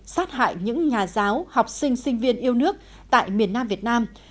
sát hại những nhà giáo học sinh sinh viên yêu nước tại miền nam việt nam